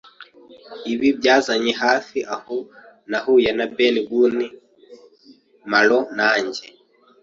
Ibi byanzanye hafi aho nahuye na Ben Gunn, maroon; nanjye